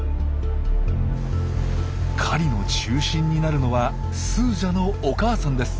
狩りの中心になるのはスージャのお母さんです。